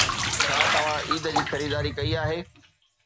ڇا توهان عيد جي خريداري ڪئي آهي؟